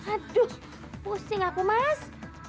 aduh pusing aku mas